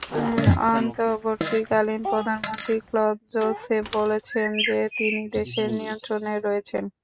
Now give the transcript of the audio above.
অন্তর্বর্তীকালীন প্রধানমন্ত্রী Claude Joseph বলেছেন যে তিনি দেশের নিয়ন্ত্রণে রয়েছেন।